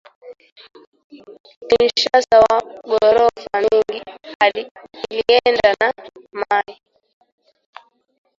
Kinshasa ma gorofa mingi ilienda na mayi